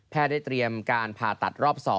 ได้เตรียมการผ่าตัดรอบ๒